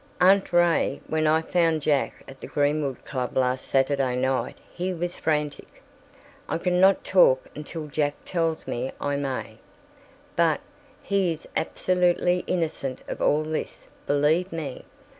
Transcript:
"Aunt Ray, when I found Jack at the Greenwood Club last Saturday night, he was frantic. I can not talk until Jack tells me I may, but—he is absolutely innocent of all this, believe me.